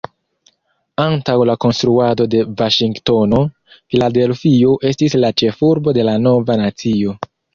Antaŭ la konstruado de Vaŝingtono, Filadelfio estis la ĉefurbo de la nova nacio.